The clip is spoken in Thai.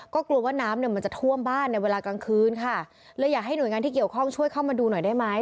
ก็กลัวว่าน้ำเนี่ยมันจะท่วมบ้านในเวลากลางคืนค่ะเลยอยากให้หน่วยงานที่เกี่ยวข้องช่วยเข้ามาดูหน่อยได้ไหม